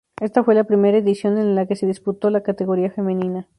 Ésta fue la Primera edición en la que se disputó la categoría femenina.